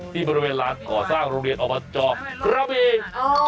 ที่บริเวณร้านก่อสร้างโรงเรียนออกมาจอประเบียง